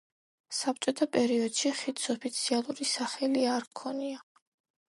საბჭოთა პერიოდში ხიდს ოფიციალური სახელი არ ჰქონია.